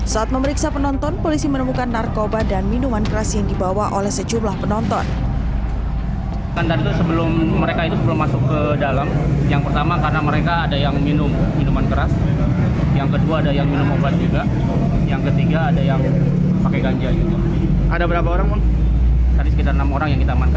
saat memeriksa penonton polisi menemukan narkoba dan minuman keras yang dibawa oleh sejumlah penonton